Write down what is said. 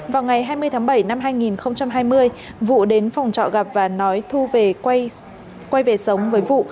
vào ngày hai mươi tháng bảy năm hai nghìn hai mươi vũ đến phòng trọ gặp và nói thu về quay về sống với vụ